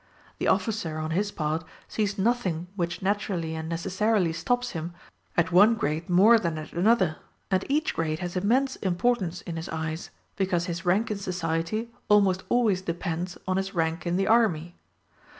The officer, on his part, sees nothing which naturally and necessarily stops him at one grade more than at another; and each grade has immense importance in his eyes, because his rank in society almost always depends on his rank in the army.